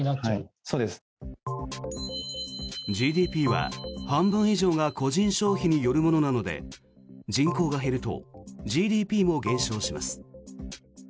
ＧＤＰは半分以上が個人消費によるものなので人口が減るとＧＤＰも減少します。